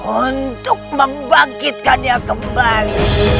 untuk membangkitkannya kembali